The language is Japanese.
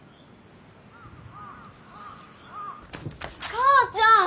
母ちゃん！